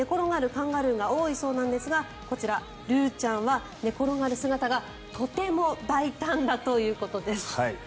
カンガルーが多いそうなんですがルーちゃんは寝転がる姿がとても大胆だということです。